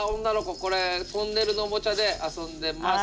これトンネルのおもちゃで遊んでます。